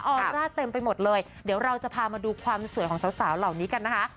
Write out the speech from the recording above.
อร่าเต็มไปหมดเลยเดี๋ยวเราจะพามาดูความสวยของสาวเหล่านี้กันนะคะ